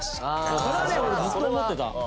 それはねずっと思ってた。